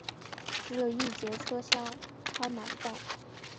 只有一节车厢超满载